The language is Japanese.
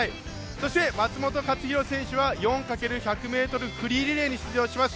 そして松元克央選手は４×１００ｍフリーリレーに出場します。